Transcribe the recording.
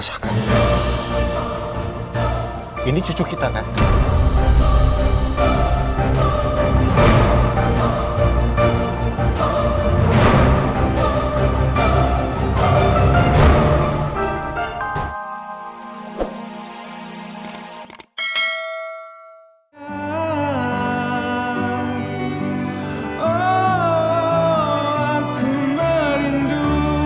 sampai jumpa di video selanjutnya